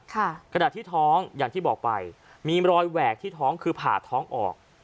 กระดัดที่ท้องมีรอยแหวกที่ท้องคือผ่าท้องออก